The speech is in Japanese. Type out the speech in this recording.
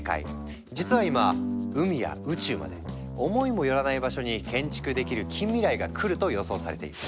実は今海や宇宙まで思いも寄らない場所に建築できる近未来がくると予想されている。